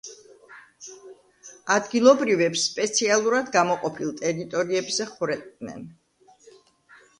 ადგილობრივებს სპეციალურად გამოყოფილ ტერიტორიებზე ხვრეტდნენ.